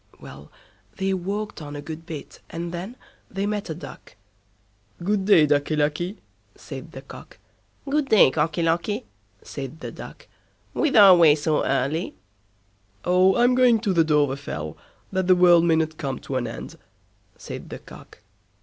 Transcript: Well! they walked on a good bit, and then they met a Duck. "Good day, Ducky Lucky", said the Cock. "Good day, Cocky Locky", said the Duck, "whither away so early?" "Oh, I'm going to the Dovrefell, that the world mayn't come to an end", said the Cock.